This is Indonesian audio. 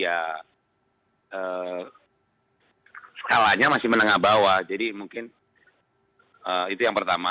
kalau mas yeece salahnya masih menengah bawah jadi mungkin itu yang pertama